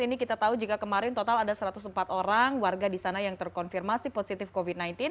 ini kita tahu jika kemarin total ada satu ratus empat orang warga di sana yang terkonfirmasi positif covid sembilan belas